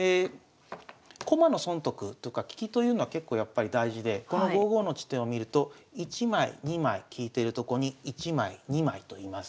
駒の損得とか利きというのは結構やっぱり大事でこの５五の地点を見ると１枚２枚利いてるとこに１枚２枚と居ます。